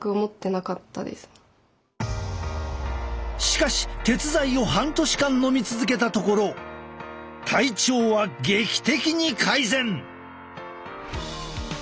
しかし鉄剤を半年間のみ続けたところ体調は劇的に改善！